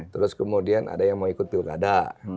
terus kemudian ada yang mau ikut pilkada